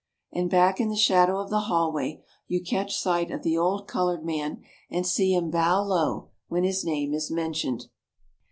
And back in the shadow of the hallway you catch sight of the old colored man and see him bow low when his name is mentioned.